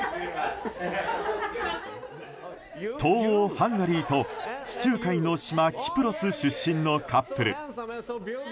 東欧ハンガリーと地中海の島キプロス出身のカップル。